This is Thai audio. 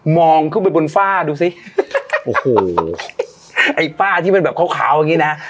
ขึ้นไปบนฝ้าดูสิโอ้โหไอ้ฝ้าที่มันแบบขาวขาวอย่างงี้นะฮะ